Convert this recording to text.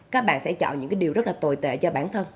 các bạn sẽ chọn những cái điều rất là tồi tệ cho bản thân